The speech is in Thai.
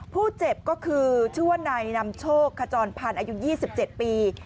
ผู้เจ็บก็คือชั่วนายนามโชกขจรพันธุ์อายุอยู่๒๗ปี